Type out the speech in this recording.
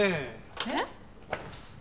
えっ？